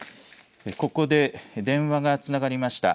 ここで電話がつながりました。